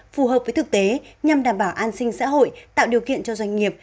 phù hợp với thực tế nhằm đảm bảo an sinh xã hội tạo điều kiện cho doanh nghiệp